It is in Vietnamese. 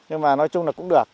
nhưng mà nói chung là cũng được